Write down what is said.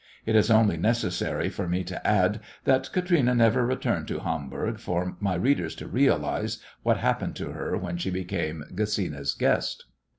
It is only necessary for me to add that Katrine never returned to Hamburg for my readers to realize what happened to her when she became Gesina's guest.